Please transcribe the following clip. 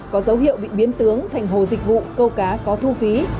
có dấu hiệu bị biến tướng thành hồ dịch vụ câu cá có thu phí